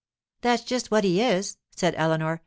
'That's just what he is,' said Eleanor.